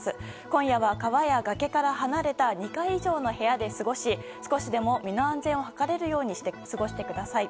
今夜は川や崖から離れた２階以上の部屋で過ごし少しでも身の安全を図れるように過ごしてください。